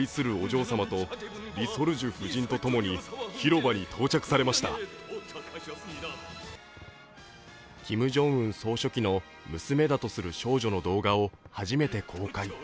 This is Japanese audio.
中でも注目を集めたのがキム・ジョンウン総書記の娘だとする少女の動画を初めて公開。